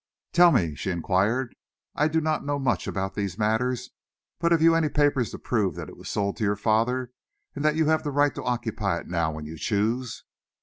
"Tell me," she enquired, "I do not know much about these matters, but have you any papers to prove that it was sold to your father and that you have the right to occupy it now when you choose?"